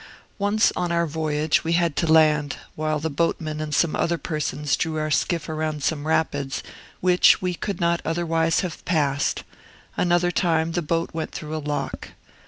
Once, on our voyage, we had to land, while the boatman and some other persons drew our skiff round some rapids, which we could not otherwise have passed; another time, the boat went through a lock.